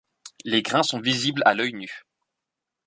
Les grains sont visibles à l’œil nu.